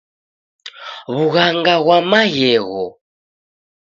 Wughanga ghwa maghegho